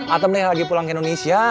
atom nih lagi pulang ke indonesia